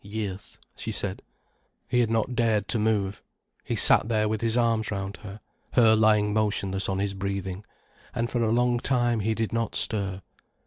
"Yes," she said. He had not dared to move. He sat there with his arms round her, her lying motionless on his breathing, and for a long time he did not stir.